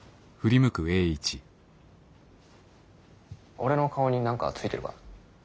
俺の顔に何かついてるか？